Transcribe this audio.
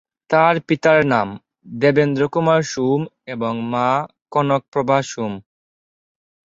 তার পিতার নাম: দেবেন্দ্র কুমার সোম এবং মা: কনক প্রভা সোম।